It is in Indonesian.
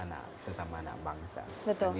menjadi tambahan bagi ramah